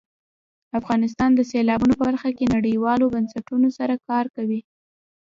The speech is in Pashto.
افغانستان د سیلابونو په برخه کې نړیوالو بنسټونو سره کار کوي.